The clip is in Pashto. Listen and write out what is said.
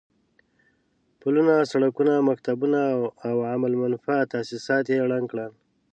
پلونه، سړکونه، مکتبونه او عام المنفعه تاسيسات يې ړنګ کړل.